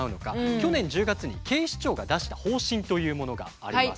去年１０月に警視庁が出した方針というものがあります。